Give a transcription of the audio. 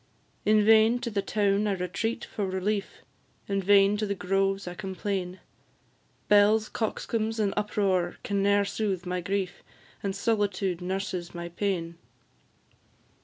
In vain to the town I retreat for relief, In vain to the groves I complain; Belles, coxcombs, and uproar, can ne'er soothe my grief, And solitude nurses my pain.